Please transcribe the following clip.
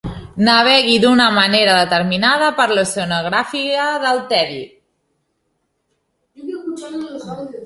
Navegui d'una manera determinada per l'oceanografia del tedi.